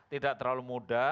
tidak terlalu muda